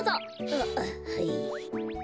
あっはい。